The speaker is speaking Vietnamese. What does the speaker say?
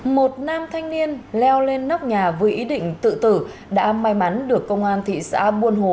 một nam thanh niên leo lên nóc nhà với ý định tự tử đã may mắn được công an thị xã buôn hồ